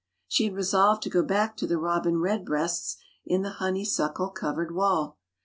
She had resolved to go back to the robin redbreasts in the honeysuckle covered wall.